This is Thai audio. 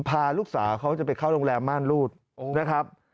พาลูกสาวเขาจะไปเข้าโรงแรมม่านรูดนะครับ